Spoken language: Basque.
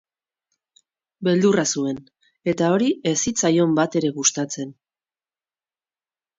Beldurra zuen, eta hori ez zitzaion batere gustatzen.